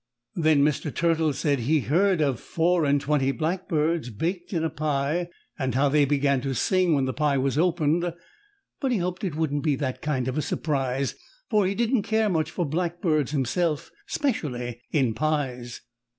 Then Mr. Turtle said he'd heard of "four and twenty blackbirds baked in a pie," and how they began to sing when the pie was opened, but he hoped it wouldn't be that kind of a surprise, for he didn't care much for blackbirds himself, specially in pies.